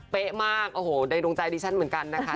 เป๊ะมากในตรงใจดีชันเหมือนกันนะคะ